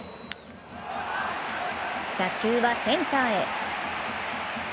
打球はセンターへ。